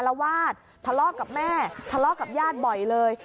ละวาดทะเลาะกับแม่ทะเลาะกับญาติบ่อยเลย